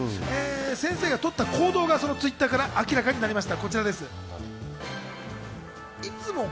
先生がとった行動がＴｗｉｔｔｅｒから明らかになりました。